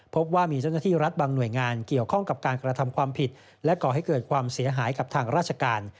พบว่ามีเจ้าหน้าที่รัฐบางหน่วยงานเกี่ยวข้องกับการกระทำความผิดและก่อให้เกิดความเสียหายกับทางราชการ